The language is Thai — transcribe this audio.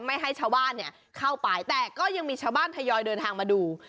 ไม่ให้ชาวบ้านเนี่ยเข้าไปแต่ก็ยังมีชาวบ้านทยอยเดินทางมาดู